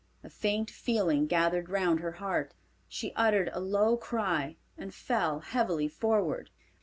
A faint feeling gathered round her heart. She uttered a low cry and fell heavily forward.